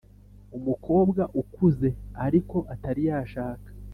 umukobwa ukuze ariko atari yashaka